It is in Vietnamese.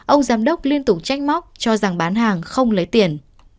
ông giám đốc liên tục trách móc cho rằng bán hàng không lấy tiền